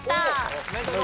おおめでとう。